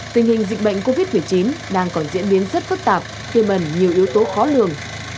tình hình dịch bệnh covid một mươi chín đang còn diễn biến rất phức tạp tiêm ẩn nhiều yếu tố khó lường